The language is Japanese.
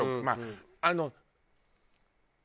まああの。